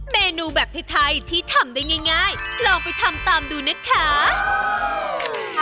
เมนูแบบไทยที่ทำได้ง่ายลองไปทำตามดูนะคะ